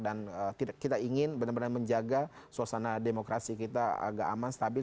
dan kita ingin benar benar menjaga suasana demokrasi kita agak aman stabil